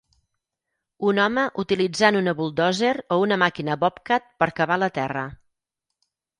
Un home utilitzant una buldòzer o una màquina Bobcat per cavar la terra.